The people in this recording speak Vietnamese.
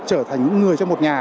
trở thành những người trong một nhà